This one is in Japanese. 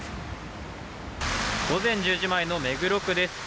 午前１０時前の目黒区です。